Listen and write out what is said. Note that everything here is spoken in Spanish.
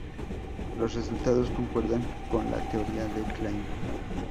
Los resultados concuerdan con la teoría de Klein.